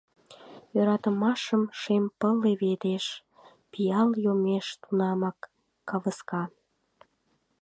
Йӧратымашым шем пыл леведеш — Пиал йомеш тунамак, кавыска.